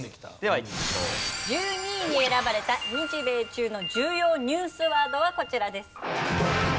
１２位に選ばれた日米中の重要ニュースワードはこちらです。